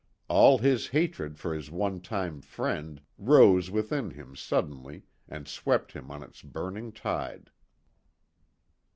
All his hatred for his one time friend rose within him suddenly, and swept him on its burning tide.